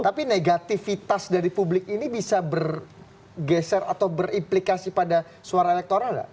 tapi negatifitas dari publik ini bisa bergeser atau berimplikasi pada suara elektoral nggak